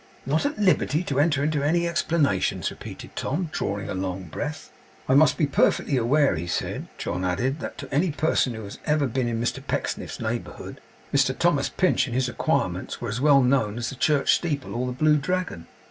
'Not at liberty to enter into any explanations!' repeated Tom, drawing a long breath. '"I must be perfectly aware," he said,' John added, '"that to any person who had ever been in Mr Pecksniff's neighbourhood, Mr Thomas Pinch and his acquirements were as well known as the Church steeple, or the Blue Dragon."